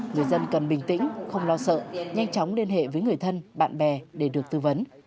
người dân cần bình tĩnh không lo sợ nhanh chóng liên hệ với người thân bạn bè để được tư vấn